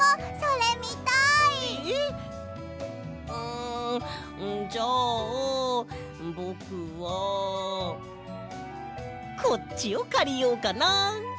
んじゃあぼくはこっちをかりようかな。